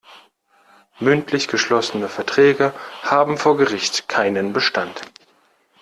Mündlich geschlossene Verträge haben vor Gericht keinen Bestand.